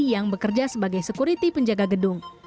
yang bekerja sebagai security penjaga gedung